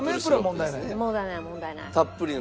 問題ない問題ない。